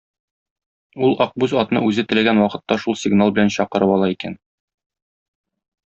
Ул Акбүз атны үзе теләгән вакытта шул сигнал белән чакырып ала икән.